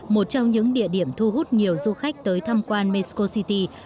một trong những địa điểm thu hút nhiều du khách tới thăm quan mexico city